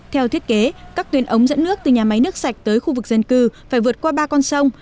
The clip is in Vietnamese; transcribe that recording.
theo thiết kế các tuyên ống dẫn nước từ nhà máy nước sạch tới khu vực dân cư phải vượt qua ba con sông